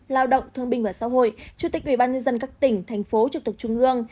lao động thương binh và xã hội chủ tịch ubnd các tỉnh thành phố trực tục trung ương